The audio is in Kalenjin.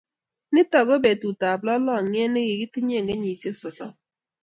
Nito ko betut ab lolongyet nekikitinye eng kenyishek sosom